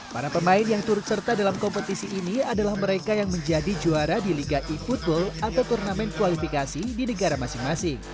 para pemain yang turut serta dalam kompetisi ini adalah mereka yang menjadi juara di liga e football atau turnamen kualifikasi di negara masing masing